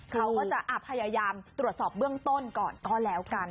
เขาก็จะพยายามตรวจสอบเบื้องต้นก่อนก็แล้วกัน